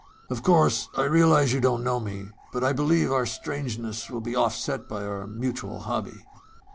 "Of course I realize you don't know me but I believe our strangeness will be offset by our mutual hobby."